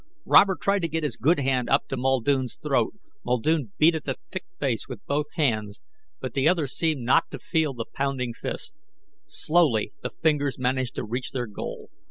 Robert tried to get his good hand up to Muldoon's throat. Muldoon beat at the thick face with both hands. But the other seemed not to feel the pounding fists. Slowly the fingers managed to reach their goal.